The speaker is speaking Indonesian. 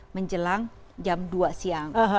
menjelang jam dua siang